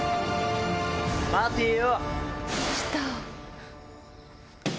待てよ。